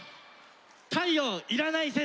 「太陽いらない説」。